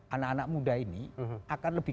anak anak muda ini akan lebih